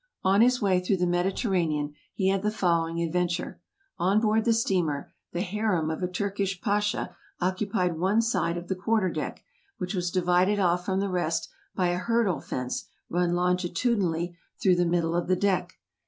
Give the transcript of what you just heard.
On his way through the Mediterranean, he had the following adventure: On board the steamer, the harem of a Turkish Pasha occupied one side of the quarter deck, which was divided off from the rest by a hurdle fence run longitudinally through the middle of the deck.